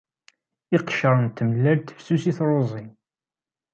Iqcer n tmellalt fessus i truẓi.